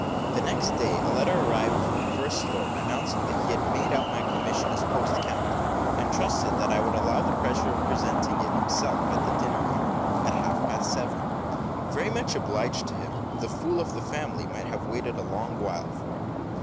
The next day, a letter arrived from the First Lord, announcing that he had made out my commission as post captain, and trusted that I would allow him the pleasure of presenting it himself at his dinner hour, at half past seven. Very much obliged to him: the "fool of the family" might have waited a long while for it.